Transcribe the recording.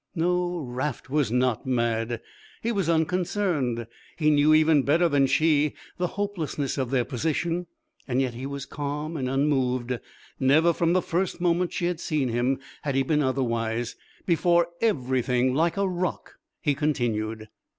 No, Raft was not mad. He was unconcerned. He knew, even better than she, the hopelessness of their position, yet he was calm and unmoved, never from the first moment she had seen him had he been otherwise; before everything, like a rock, he continued.